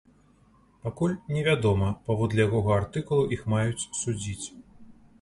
Пакуль невядома, паводле якога артыкулу іх маюць судзіць.